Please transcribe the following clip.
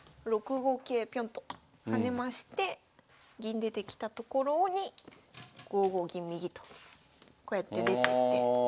６五桂ぴょんと跳ねまして銀出てきたところに５五銀右とこうやって出てって。